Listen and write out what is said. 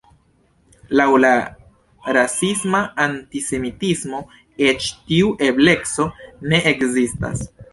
Laŭ la rasisma antisemitismo, eĉ tiu ebleco ne ekzistas.